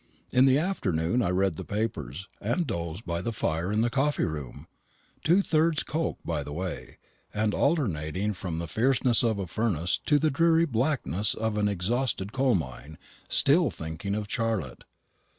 In the afternoon I read the papers, and dozed by the fire in the coffee room two thirds coke by the way, and alternating from the fierceness of a furnace to the dreary blackness of an exhausted coal mine still thinking of Charlotte.